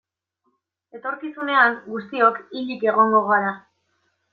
Etorkizunean guztiok hilik egongo gara.